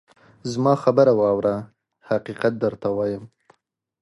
زما خبره واوره ! حقیقت درته وایم.